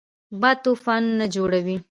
باد طوفان جوړوي